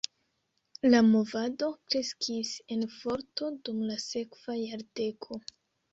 La movado kreskis en forto dum la sekva jardeko.